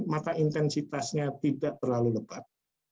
maka intensitasnya tidak terlalu lebat